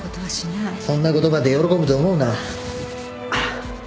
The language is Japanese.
そんな言葉で喜ぶと思うな。